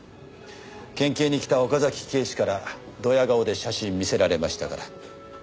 県警に来た岡崎警視からどや顔で写真見せられましたから。